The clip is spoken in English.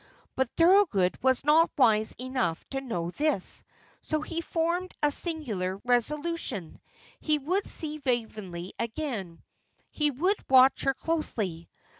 But Thorold was not wise enough to know this, so he formed a singular resolution. He would see Waveney again. He would watch her closely.